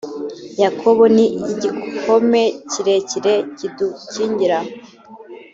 yakobo ni igihome kirekire kidukingira